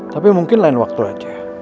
tapi mungkin lain waktu aja